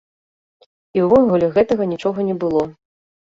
І ўвогуле гэтага нічога не было.